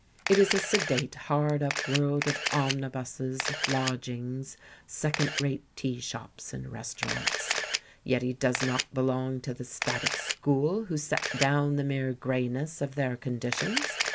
It is a sedate, hard up world of omnibuses, lodgings, second rate tea shops and restaurants. Yet he does not belong to the static school who set do^\Ti the mere greyness of their conditions.